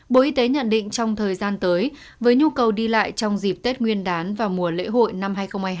bộ y tế nhận định trong thời gian tới với nhu cầu đi lại trong dịp tết nguyên đán và mùa lễ hội năm hai nghìn hai mươi hai